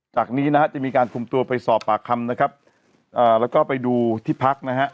จากนี้นะครับจะมีการภูมิตัวไปสอบปากคำนะครับแล้วก็ไปดูที่พักนะครับ